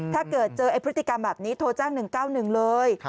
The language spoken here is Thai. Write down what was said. ถ้าเกิดเจอพฤติกรรมแบบนี้โทรแจ้ง๑๙๑เลย